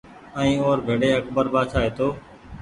ائين او ر ڀيڙي اڪبر بآڇآ هيتو